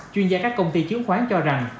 chuyên gia các công ty chiếu khoán cho rằng